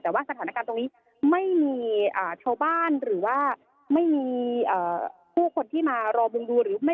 แต่ว่าสถานการณ์ตรงนี้ไม่มีชาวบ้านหรือว่าไม่มีผู้คนที่มารอบุงดูหรือไม่